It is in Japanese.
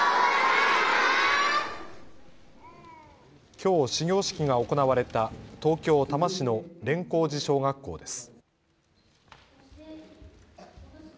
きょう始業式が行われた東京多摩市の連光寺小学校です。